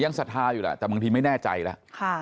ศรัทธาอยู่แหละแต่บางทีไม่แน่ใจแล้ว